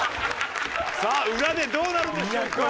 さあ裏でどうなるんでしょうか。